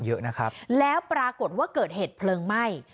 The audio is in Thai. เยอะนะครับแล้วปรากฏว่าเกิดเหตุเพลิงไหม้